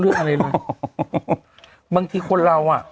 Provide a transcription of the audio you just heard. วันแล้วบางทีคนร้าวอ่ะ